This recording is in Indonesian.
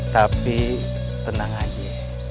tapi tenang aja